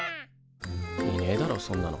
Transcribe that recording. いねえだろそんなの。